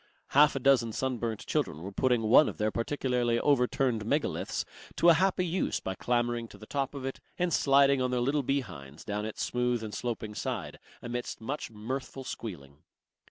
Half a dozen sunburnt children were putting one of the partially overturned megaliths to a happy use by clambering to the top of it and sliding on their little behinds down its smooth and sloping side amidst much mirthful squealing.